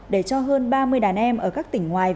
để cho hơn ba mươi đàn em ở các tỉnh ngoài